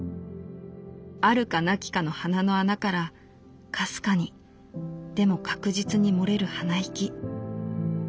あるかなきかの鼻の穴からかすかにでも確実に漏れる鼻息。